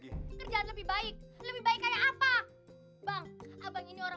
kerjaan lebih baik lebih baik kayak apa